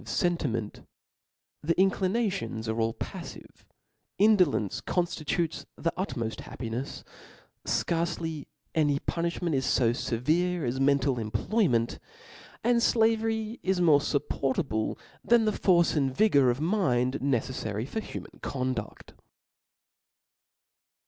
j\ of fentiment ; the inclinations are all pafTive ; indo lence conftituces the utmoft happinefs ^ ftarcelyany punifliment is fo ievere. as mental employment ; and flavery is more fupportable than the force and vigor of mind neceflary for human conduct.